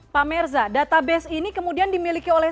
pak merza database ini kemudian dimiliki oleh